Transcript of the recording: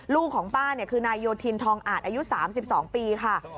ลูกของป้าคือนายโยธินทองอาจอายุ๓๒ปีค่ะ